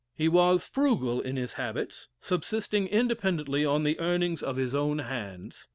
He was frugal in his habits, subsisting independently on the earnings of his own hands.